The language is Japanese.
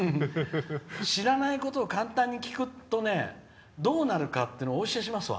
知らないことを簡単に聞くとどうなるかっていうのをお教えしますわ。